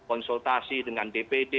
itu konsultasi dengan dpd